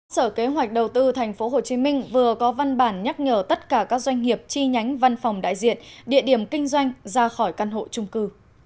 sở kế hoạch đầu tư tp hcm vừa có văn bản nhắc nhở tất cả các doanh nghiệp chi nhánh văn phòng đại diện địa điểm kinh doanh ra khỏi căn hộ trung cư